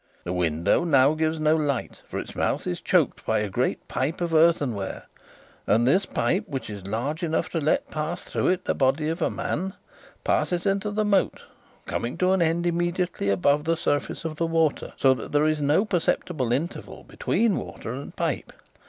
The window now gives no light, for its mouth is choked by a great pipe of earthenware; and this pipe, which is large enough to let pass through it the body of a man, passes into the moat, coming to an end immediately above the surface of the water, so that there is no perceptible interval between water and pipe.